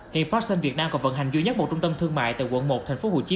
hiện paxson việt nam còn vận hành duy nhất một trung tâm thương mại tại quận một thành phố hồ chí